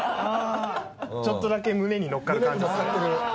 ちょっとだけ胸にのっかる感じですね。